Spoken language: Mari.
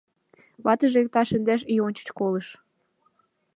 Ватыже иктаж индеш ий ончыч колыш...